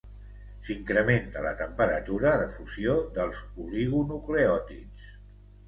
S'incrementa la temperatura de fusió dels oligonucleòtids.